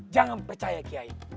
jangan percaya kiai